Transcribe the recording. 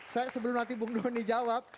saya sebelum nanti bung doni jawab